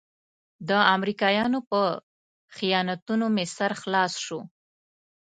د امريکايانو په خیانتونو مې سر خلاص شو.